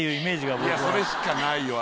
それしかないよ。